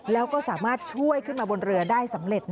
แล้วก็สามารถช่วยขึ้นมาบนเรือได้สำเร็จ